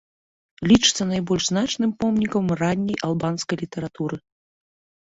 Лічыцца найбольш значным помнікам ранняй албанскай літаратуры.